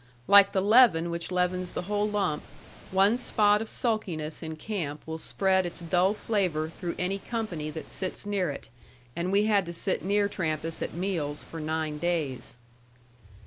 Like the leaven which leavens the whole lump, one spot of sulkiness in camp will spread its dull flavor through any company that sits near it; and we had to sit near Trampas at meals for nine days.